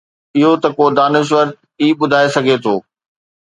اهو ته ڪو دانشور ئي ٻڌائي سگهي ٿو.